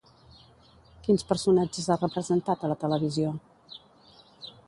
Quins personatges ha representat a la televisió?